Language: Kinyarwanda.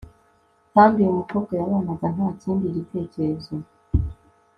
Kandi uyu mukobwa yabanaga nta kindi gitekerezo